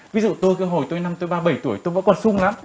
ví dụ tôi hồi tôi năm tôi ba mươi bảy tuổi tôi vẫn còn sung lắm